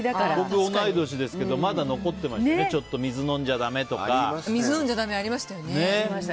僕、同い年ですけどまだ残ってましたよねありましたよね。